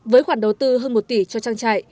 với khoản đầu tư hơn một tỷ cho trang trại